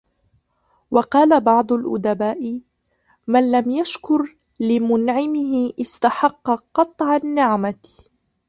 وَقَالَ بَعْضُ الْأُدَبَاءِ مَنْ لَمْ يَشْكُرْ لِمُنْعِمِهِ اسْتَحَقَّ قَطْعَ النِّعْمَةِ